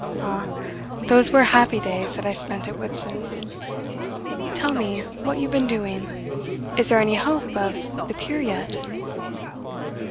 Ah, those were happy days that I spent at Whitsand! Tell me what you have been doing. Is there any hope of the pier yet?